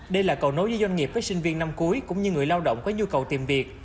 đây là cầu nối với doanh nghiệp với sinh viên năm cuối cũng như người lao động có nhu cầu tìm việc